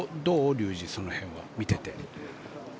竜二、その辺は見てて。